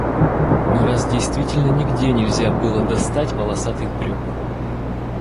Но раз действительно нигде нельзя было достать полосатых брюк.